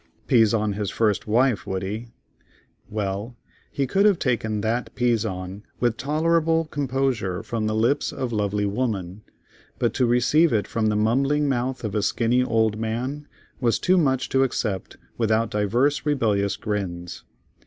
"Pizon his first wife," would he? Well, he could have taken that "pizon" with tolerable composure from the lips of lovely woman, but to receive it from the mumbling mouth of a skinny old man, was too much to accept without divers rebellious grins.